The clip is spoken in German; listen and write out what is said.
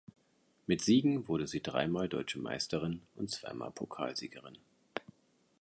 Mit Siegen wurde sie dreimal deutsche Meisterin und zweimal Pokalsiegerin.